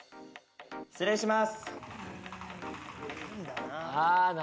失礼します。